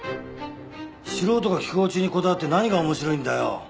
素人が生粉打ちにこだわって何が面白いんだよ。